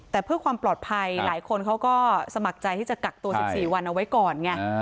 แต่เพื่อความปลอดภัยหลายคนเขาก็สมัครใจที่จะกักตัว๑๔วันเอาไว้ก่อนไง